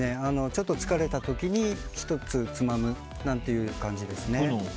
ちょっと疲れた時に１つつまむなんていう感じですね。